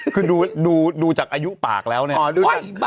คือดูจากอายุปากแล้วเนี่ย